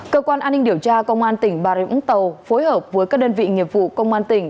cơ quan an ninh điều tra công an tỉnh bà rịa vũng tàu phối hợp với các đơn vị nghiệp vụ công an tỉnh